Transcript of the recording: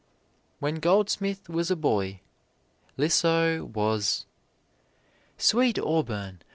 When Goldsmith was a boy Lissoy was: "Sweet Auburn!